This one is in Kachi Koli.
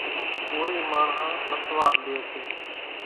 ڪورِي ماڻۿان نسوار ليئيَ سي۔